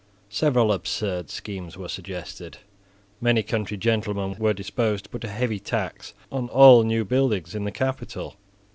Several absurd schemes were suggested. Many country gentlemen were disposed to put a heavy tax on all new buildings in the capital.